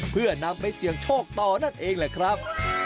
เพื่อนำไปเสี่ยงโชคต่อนั่นเองแหละครับ